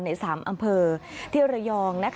ใน๓อำเภอเที่ยวระยอง